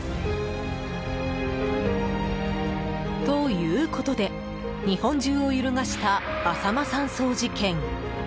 ということで日本中を揺るがしたあさま山荘事件。